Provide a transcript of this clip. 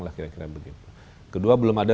lah kira kira begitu kedua belum ada